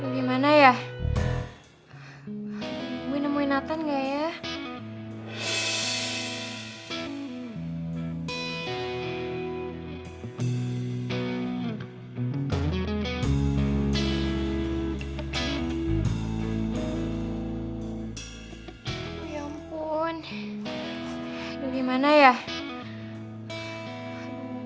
lu dimana ya